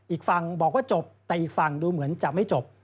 อีกฝั่งบอกว่าจบแต่อีกฝั่งดูเหมือนจะไม่จบ